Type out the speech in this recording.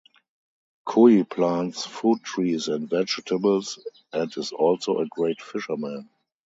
Kui plants food trees and vegetables and is also a great fisherman.